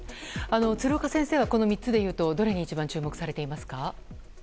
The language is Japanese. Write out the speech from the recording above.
鶴岡先生はこの３つでいうとどれに一番注目されていますか？